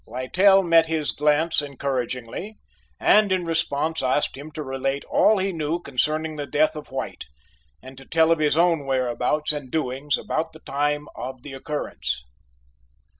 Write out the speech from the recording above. Littell met his glance encouragingly, and in response asked him to relate all he knew concerning the death of White, and to tell of his own whereabouts and doings about the time of the occurrence.